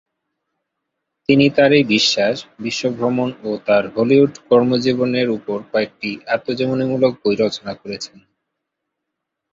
তিনি তার এই বিশ্বাস, বিশ্ব ভ্রমণ ও তার হলিউড কর্মজীবনের উপর কয়েকটি আত্মজীবনীমূলক বই রচনা করেছেন।